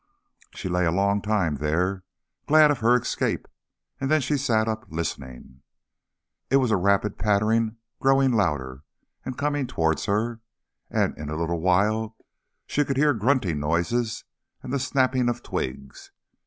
She lay a long time there, glad of her escape, and then she sat up listening. It was a rapid pattering growing louder and coming towards her, and in a little while she could hear grunting noises and the snapping of twigs.